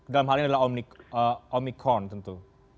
dalam hal ini adalah omikron tentu